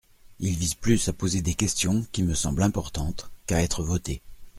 Il vise plus à poser des questions, qui me semblent importantes, qu’à être voté.